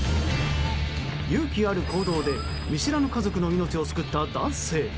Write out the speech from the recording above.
勇気ある行動で見知らぬ家族の命を救った男性。